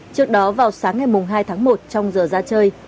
trước đó vào sáng ngày hai tháng một trong giờ ra chơi